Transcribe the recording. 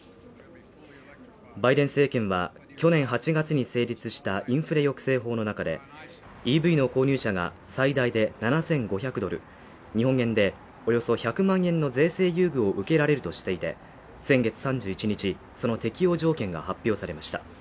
バイデン政権は、去年８月に成立したインフレ抑制法の中で、ＥＶの購入者が最大で７５００ドル、日本円でおよそ１００万円の税制優遇を受けられるとしていて、先月３１日、その適用条件が発表されました。